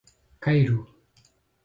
Cairu